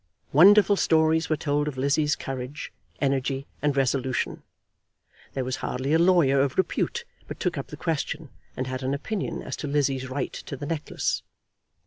Wonderful stories were told of Lizzie's courage, energy, and resolution. There was hardly a lawyer of repute but took up the question, and had an opinion as to Lizzie's right to the necklace.